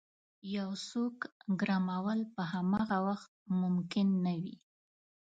یو څوک ګرمول په همغه وخت ممکن نه وي.